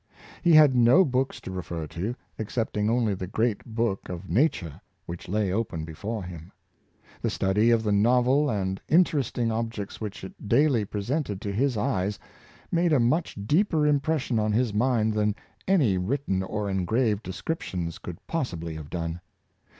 He had no books to refer to, excepting only the great book of Na ture which lay open before him. The study of the novel and interesting objects which it daily presented to his eyes made a much deeper impression on his mind than any written or engraved descriptions could possi bly have done.